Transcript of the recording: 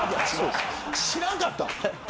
知らんかったの。